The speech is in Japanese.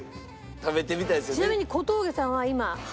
食べてみたいですよね。